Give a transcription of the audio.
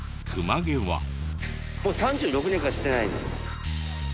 もう３６年間してないですね。